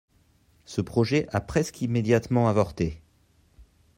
Ce projet a presque immédiatement avorté.